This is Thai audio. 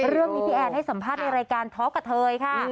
เรื่องนี้พี่แอนให้สัมภาษณ์ในรายการทอล์กกับเถยค่ะ